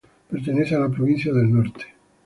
Pertenece a la provincia del Norte.